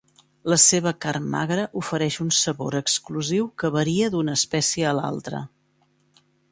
La seva carn magra ofereix un sabor exclusiu que varia d'una espècie a l'altre.